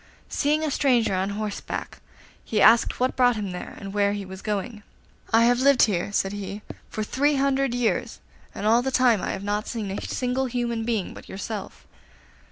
Seeing a stranger on horseback, he asked what brought him there and where he was going. 'I have lived here,' said he, 'for three hundred years, and all that time I have not seen a single human being but yourself.